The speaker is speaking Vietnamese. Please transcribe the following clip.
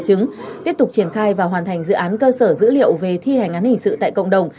chứng tiếp tục triển khai và hoàn thành dự án cơ sở dữ liệu về thi hành án hình sự tại cộng đồng